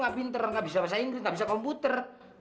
gak pinter gak bisa bahasa inggris komputer